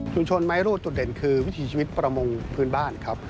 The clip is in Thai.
ชนไม้รูดจุดเด่นคือวิถีชีวิตประมงพื้นบ้านครับ